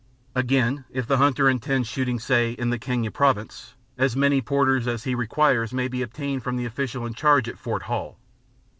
Again, if the hunter intends shooting, say, in the Kenya Province, as many porters as he requires may be obtained from the official in charge at Fort Hall.